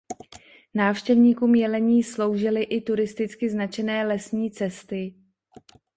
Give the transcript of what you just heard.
Návštěvníkům Jelení sloužily i turisticky značené lesní cesty.